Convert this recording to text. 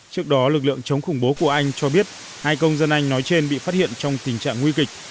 trước đó lực lượng chống khủng bố của anh cho biết hai công dân anh nói trên bị phát hiện trong tình trạng nguy kịch